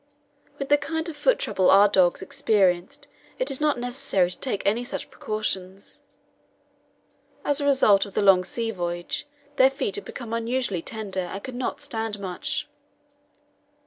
With the kind of foot trouble our dogs experienced it is not necessary to take any such precautions. As a result of the long sea voyage their feet had become unusually tender and could not stand much.